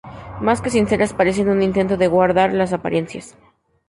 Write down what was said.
más que sinceras parecen un intento de guardar la apariencias